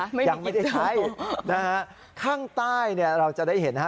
ยังไม่มีกลิ่นเจอปล่นนะฮะข้างใต้เนี่ยเราจะได้เห็นฮะ